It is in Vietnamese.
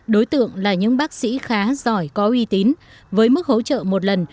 hai nghìn một mươi năm hai nghìn hai mươi đối tượng là những bác sĩ khá giỏi có uy tín với mức hỗ trợ một lần